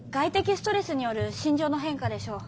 ストレスによる心情の変化でしょう。